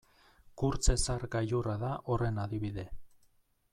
Kurtzezar gailurra da horren adibide.